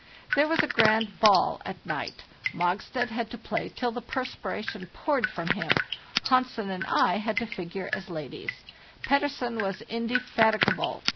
There was a grand 'ball' at night; Mogstad had to play till the perspira tion poured from him; Hansen and I had to figure as ladies. Pettersen was indefatigable.